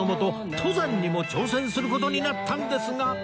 登山にも挑戦する事になったんですが